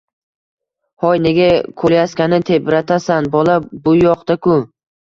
Hoy, nega kolyaskani tebratasan, bola bu yoqda-ku